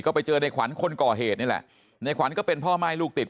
ไปเจอในขวัญคนก่อเหตุนี่แหละในขวัญก็เป็นพ่อม่ายลูกติด